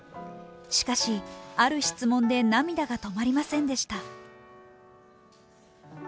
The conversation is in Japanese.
しかし、ある質問で涙が止まりませんでした。